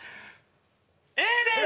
Ａです！